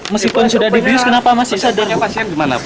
meskipun sudah dibius kenapa masih sadar bu